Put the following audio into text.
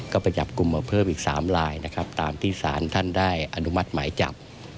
ก็วางกุมมาเพิบอีก๓ลายตามที่สารท่านได้อนุมัติหมายจับ